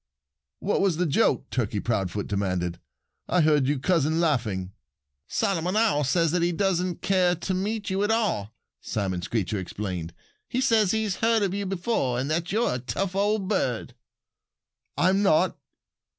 "What was the joke?" Turkey Proudfoot demanded. "I heard you cousin laughing." "Solomon Owl says that he doesn't care to meet you at all," Simon Screecher explained. "He says he has heard about you before and that you're a tough old bird." "I'm not!"